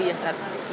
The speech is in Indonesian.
dalam seminggu ya